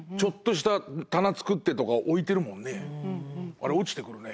あれ落ちてくるね。